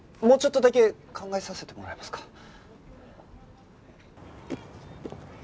もうちょっとだけ考えさせてもらえますか。